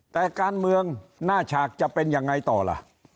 แต่การเมืองหน้าฉากจะเป็นยังไงต่อล่ะ